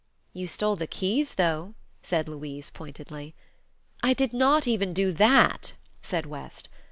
"You stole the keys, though," said Louise, pointedly. "I did not even do that," said West.